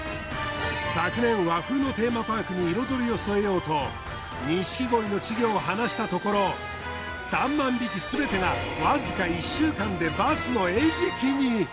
昨年和風のテーマパークに彩を添えようと錦鯉の稚魚を放したところ３万匹すべてがわずか１週間でバスの餌食に。